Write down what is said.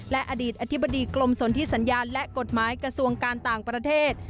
และอดีตอธิบดีกรมสนที่สัญญาณและกฎหมายกระทรวงการต่างประเทศ